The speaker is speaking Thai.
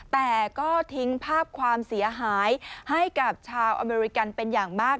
แต่ก็ทิ้งภาพความเสียหายให้กับชาวอเมริกันเป็นอย่างมาก